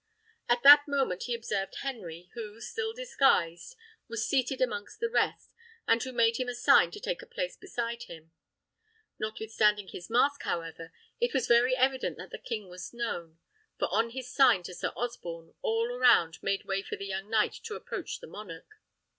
At that moment he observed Henry, who, still disguised, was seated amongst the rest, and who made him a sign to take a place beside him. Notwithstanding his mask, however, it was very evident that the king was known; for, on his sign to Sir Osborne, all around made way for the young knight to approach the monarch.